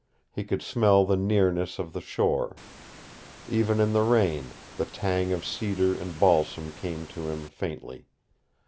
He could smell the nearness of the shore. Even in the rain the tang of cedar and balsam came to him faintly.